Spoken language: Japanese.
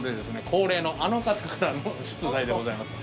恒例のあの方からの出題でございます。